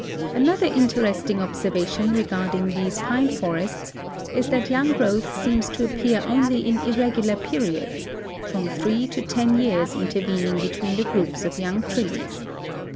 Another interesting observation regarding these pine forests is that young growth seems to appear only in irregular periods, from three to ten years intervening between the groups of young trees.